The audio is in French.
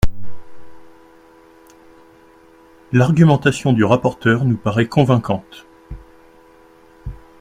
L’argumentation du rapporteur nous paraît convaincante.